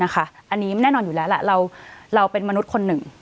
อันนี้แน่นอนอยู่แล้วแหละเราเป็นมนุษย์คนหนึ่ง